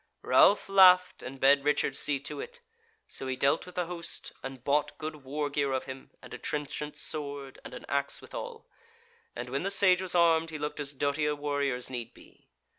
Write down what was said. Ralph laughed, and bade Richard see to it; so he dealt with the host, and bought good war gear of him, and a trenchant sword, and an axe withal; and when the Sage was armed he looked as doughty a warrior as need be.